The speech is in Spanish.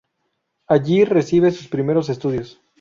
Allí recibe sus primeros estudios.